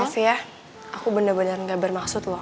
maaf ya aku bener bener gak bermaksud loh